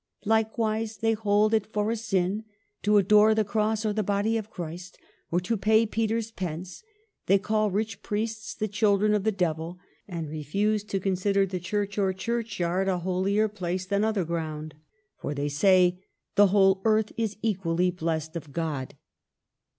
Likewise they hold it for a sin to adore the cross or the body of Christ, or to pay Peter's pence ; they call rich priests the children of the Devil, and refuse to consider the church or the churchyard a holier place than other ground, for they say the whole earth is equally blessed of God.